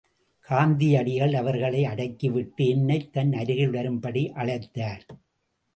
காந்தியடிகள், அவர்களை அடக்கி விட்டு என்னை தன் அருகில் வரும்படி அழைத்தார்.